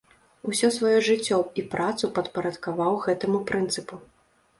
Усё сваё жыццё і працу падпарадкаваў гэтаму прынцыпу.